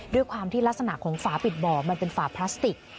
ด้วยความที่ลักษณะของฝาปิดบ่อมันเป็นฝาพลาสติก